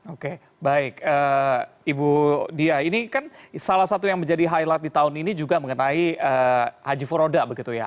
oke baik ibu dia ini kan salah satu yang menjadi highlight di tahun ini juga mengenai haji foroda begitu ya